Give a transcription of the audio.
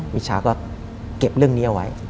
มิชาก็เก็บเรื่องนี้เอาไว้